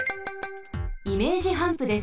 イメージハンプです。